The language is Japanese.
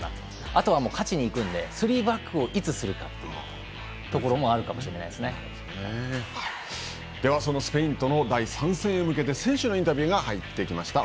あとは勝ちにいくのでスリーバックをいつするかというところもでは、そのスペインとの第３戦に向けて選手のインタビューが入ってきました。